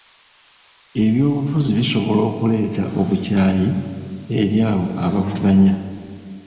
Ebyobufuzi bisobola okuleeta obukyayi eri abo abavuganya.